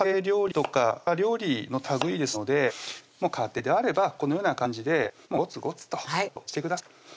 田舎料理のたぐいですのでもう家庭であればこのような感じでもうゴツゴツとカットしてください